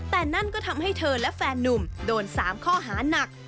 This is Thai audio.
แต่นั่นก็ทำให้เธอและแฟนนุ่มโดน๓ข้อหานัก